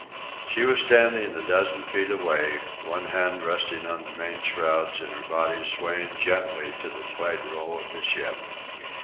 She was standing a dozen feet away, one hand resting on the main shrouds and her body swaying gently to the slight roll of the ship.